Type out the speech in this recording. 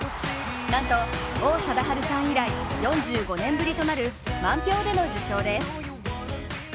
なんと王貞治さん以来４５年ぶりとなる満票となる受賞です。